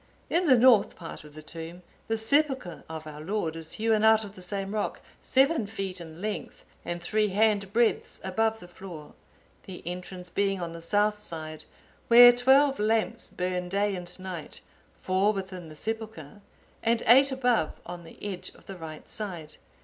In the north part of the tomb the sepulchre of our Lord is hewn out of the same rock, seven feet in length, and three hand breadths above the floor; the entrance being on the south side, where twelve lamps burn day and night, four within the sepulchre, and eight above on the edge of the right side.